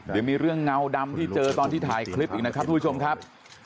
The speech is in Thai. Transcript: เดี๋ยวมีเรื่องเงาดำที่เจอตอนที่ถ่ายคลิปอีกนะครับทุกผู้ชมครับ